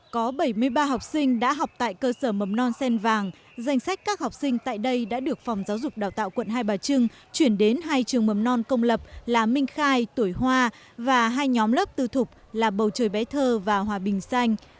có bảy mươi ba học sinh đã học tại cơ sở mầm non sen vàng danh sách các học sinh tại đây đã được phòng giáo dục đào tạo quận hai bà trưng chuyển đến hai trường mầm non công lập là minh khai tuổi hoa và hai nhóm lớp tư thục là bầu trời bé thơ và hòa bình xanh